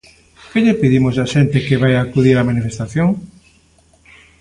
Que lle pedimos á xente que vai acudir á manifestación?